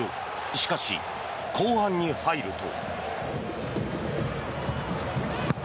しかし、後半に入ると。